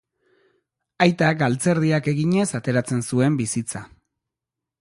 Aita galtzerdiak eginez ateratzen zuen bizitza.